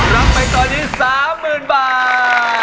รับไปตอนนี้๓หมื่นบาท